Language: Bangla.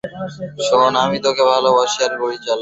শোন, আমি তোর থেকে ভালো গাড়ি চালাই।